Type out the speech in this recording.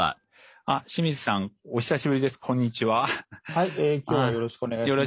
はい今日はよろしくお願いします。